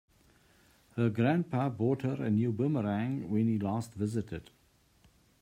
Her grandpa bought her a new boomerang when he last visited.